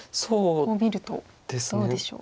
こう見るとどうでしょう。